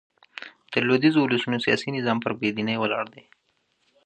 د لوېدیځو اولسونو سیاسي نظام پر بې دينۍ ولاړ دئ.